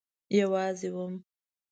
یوازی وم